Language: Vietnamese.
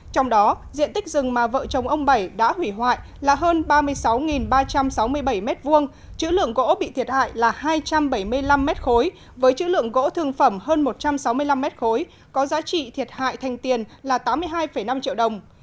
trong đó diện tích rừng mà vợ chồng ông bảy đã hủy hoại là hơn ba mươi sáu ba trăm sáu mươi bảy m hai chứ lượng gỗ bị thiệt hại là hai trăm bảy mươi năm m ba với chữ lượng gỗ thương phẩm hơn một trăm sáu mươi năm m ba có giá trị thiệt hại thành tiền là tám mươi hai năm triệu đồng